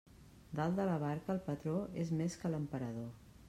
Dalt de la barca el patró és més que l'emperador.